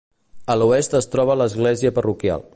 A l'oest es troba l'església parroquial.